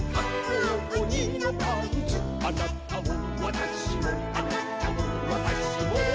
「あなたもわたしもあなたもわたしも」